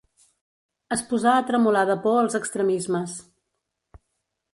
Es posà a tremolar de por als extremismes.